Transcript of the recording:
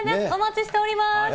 お待ちしております。